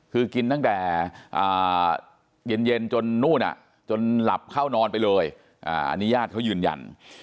คือกินตั้งแต่เย็นจนนู่นจนหลับเข้านอนไปเลยอันนี้ญาติเขายืนยัน